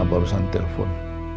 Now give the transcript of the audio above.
sobarno barusan telpon